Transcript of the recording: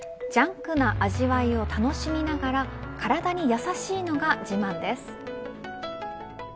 ジャンクな味わいを楽しみながら体にやさしいのが自慢です。